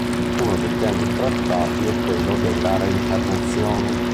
Uno dei temi trattati è quello della reincarnazione.